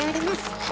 はい。